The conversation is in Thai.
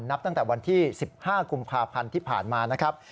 นับตั้งแต่วันที่๑๕กุมภาพันธ์ที่ผ่านมานะครับ